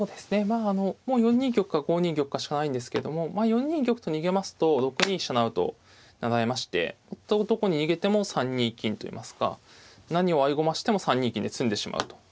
もう４二玉か５二玉かしかないんですけどもまあ４二玉と逃げますと６二飛車成と成られましてどこに逃げても３二金といいますか何を合駒しても３二金で詰んでしまうと。